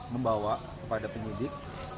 membawa kepada penyidik